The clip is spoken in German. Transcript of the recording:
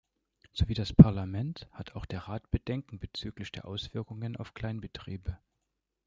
So wie das Parlament hat auch der Rat Bedenken bezüglich der Auswirkungen auf Kleinbetriebe.